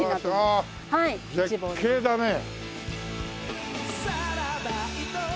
絶景だね！